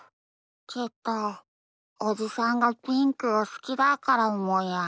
きっとおじさんがピンクをすきだからもや。